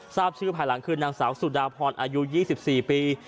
ทราบชื่อภายหลังคือนางสาวสุดาพรอายุ๒๔ปี